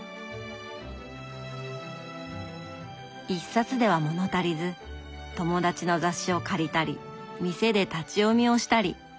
一冊では物足りず友達の雑誌を借りたり店で立ち読みをしたり。